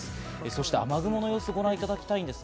そして雨雲の様子をご覧いただきます。